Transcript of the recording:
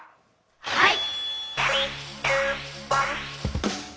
はい！